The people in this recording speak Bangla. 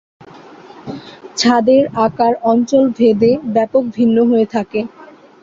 ছাদের আকার অঞ্চলভেদে ব্যাপক ভিন্ন হয়ে থাকে।